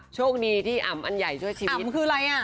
โชคดีที่อำใหญ่คือช่วยชีวิต